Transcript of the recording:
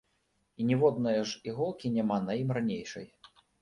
І ніводнае ж іголкі няма на ім ранейшай.